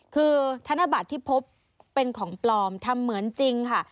คือธนบัตรที่พบเป็นของปลอมทำเหมือนจริงค่ะ